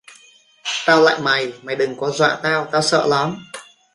Tao lạy mày Mày đừng có dọa tao tao sợ lắm